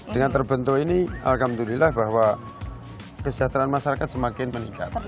dengan terbentuk ini alhamdulillah bahwa kesejahteraan masyarakat semakin meningkat